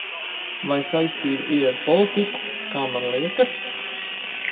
Vai saistība ir ar politiku, kā man liekas?